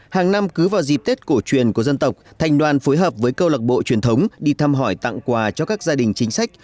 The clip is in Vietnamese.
hàng năm cứ vào dịp tết cổ truyền của dân tộc thành đoàn phối hợp với câu lạc bộ truyền thống đi thăm hỏi tặng quà cho các gia đình chính sách